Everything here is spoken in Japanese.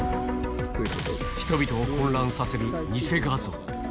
人々を混乱させる偽画像。